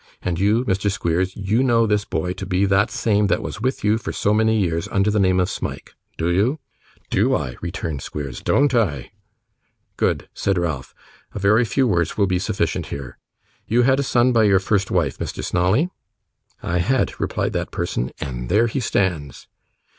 And you, Mr. Squeers, you know this boy to be the same that was with you for so many years under the name of Smike. Do you?' 'Do I!' returned Squeers. 'Don't I?' 'Good,' said Ralph; 'a very few words will be sufficient here. You had a son by your first wife, Mr. Snawley?' 'I had,' replied that person, 'and there he stands.